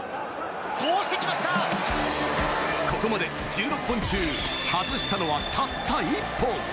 ここまで１６本中、外したのはたった１本。